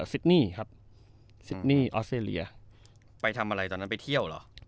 ซิดนี่ครับซิดนี่ออสเตรเลียไปทำอะไรตอนนั้นไปเที่ยวเหรอ